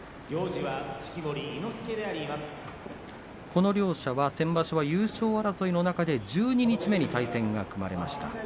この両者は先場所は優勝争いの中で十二日目に対戦が組まれました。